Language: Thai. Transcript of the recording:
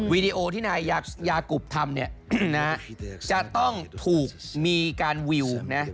วีดีโอที่นายยากุปทำจะต้องถูกมีการวิวนะ